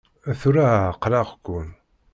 Tura ɛeqleɣ-ken!